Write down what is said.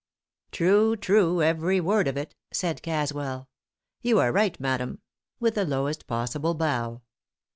"'True, true! every word of it!' said Caswell. 'You are right, madam!' with the lowest possible bow.